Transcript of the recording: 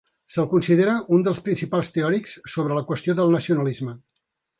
Se'l considera un dels principals teòrics sobre la qüestió del nacionalisme.